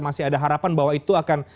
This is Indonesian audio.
masih ada harapan bahwa itu akan